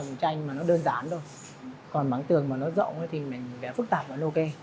mảng tường mà nó chật thì mình vẽ những cái rộng tranh mà nó đơn giản thôi còn mảng tường mà nó rộng thì mình vẽ phức tạp và nó ok